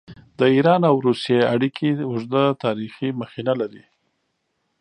د ایران او روسیې اړیکې اوږده تاریخي مخینه لري.